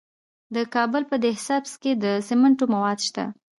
د کابل په ده سبز کې د سمنټو مواد شته.